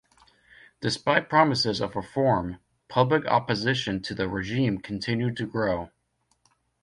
Despite promises of reform, public opposition to the regime continued to grow.